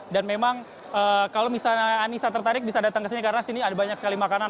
memang kalau misalnya anissa tertarik bisa datang ke sini karena sini ada banyak sekali makanan